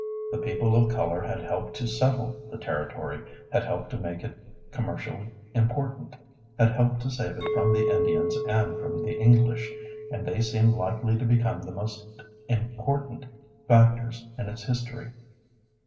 The people of color had helped to settle the territory, had helped to make it commercially important, had helped to save it from the Indians and from the English, and they seemed likely to become the most important factors in its history.